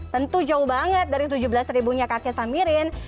tentu jauh banget dari tujuh belas ribunya kakek samirin